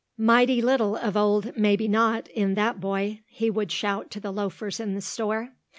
"Mighty little of old Maybe Not in that boy," he would shout to the loafers in the store.